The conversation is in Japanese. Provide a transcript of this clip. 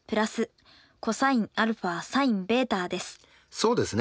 そうですね。